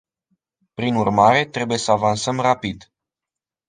Prin urmare, trebuie să avansăm rapid.